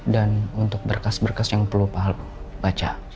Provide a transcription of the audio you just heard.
dan untuk berkas berkas yang perlu pak al baca